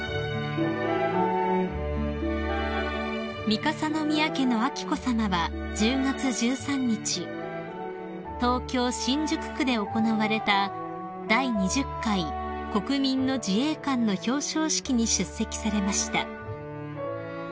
［三笠宮家の彬子さまは１０月１３日東京新宿区で行われた第２０回国民の自衛官の表彰式に出席されました］